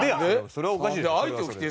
それはおかしいでしょ。